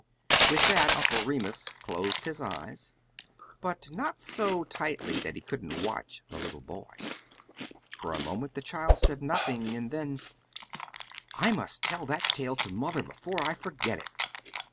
With that, Uncle Remus closed his eyes, but not so tightly that he couldn't watch the little boy. For a moment the child said nothing, and then, "I must tell that tale to mother before I forget it!"